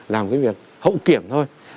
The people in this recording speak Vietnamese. làm cái việc hậu kiểm thôi